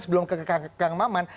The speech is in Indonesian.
sebelum ke kang maman